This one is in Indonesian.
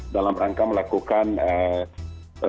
dalam rangka melakukan penangkapan